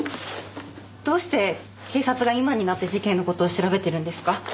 どうして警察が今になって事件の事を調べてるんですか？